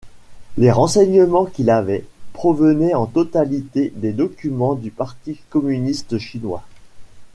Les renseignements qu'il avait, provenaient en totalité des documents du parti communiste chinois.